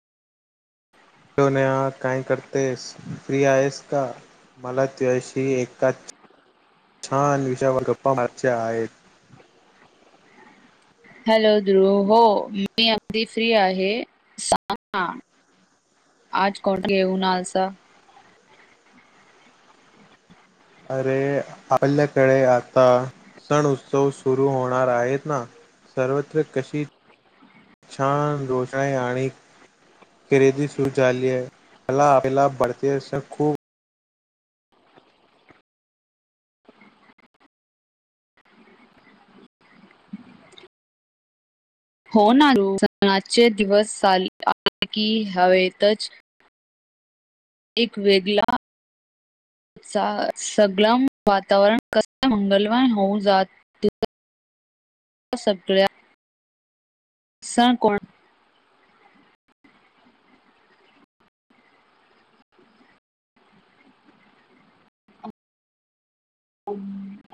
Tonya काय करतेस free आहेस का? मला त्याझ्या. शी एका छान विषयावर गप्पा मारयच्या आहेत हॅलो ध्रुव हो मी अगदी फ्री आहे सांग ना आज कोण घेऊन [unintelligible] अरे आपल्याकडे आता सण उत्सव सुरू होणार आहेत ना सर्वत्र कशी छान रोषई आणि खरेदी सुरू झाली आहे मला आपलला भारतीय सण खूप होणार [unintelligible] सणाचे दिवस चा आले की हवेतच एक वेगला सगला वातावरण कसा मंगलमय होऊन जातो सगळ्या सन कोण हम्